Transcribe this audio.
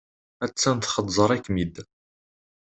Attan txeẓẓer-ikem-id.